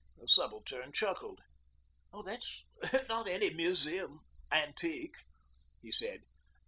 The subaltern chuckled. 'That's not any museum antique,' he said.